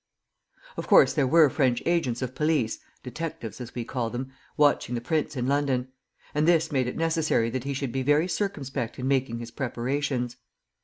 ] Of course there were French agents of police (detectives, as we call them) watching the prince in London; and this made it necessary that he should be very circumspect in making his preparations.